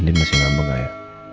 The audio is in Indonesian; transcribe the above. andi masih ngambek gak ya